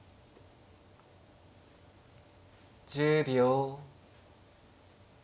１０秒。